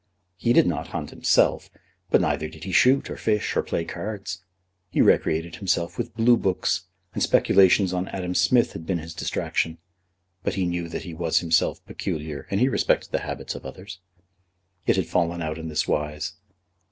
He did not hunt himself, but neither did he shoot, or fish, or play cards. He recreated himself with Blue Books, and speculations on Adam Smith had been his distraction; but he knew that he was himself peculiar, and he respected the habits of others. It had fallen out in this wise.